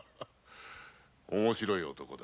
面白い男だ。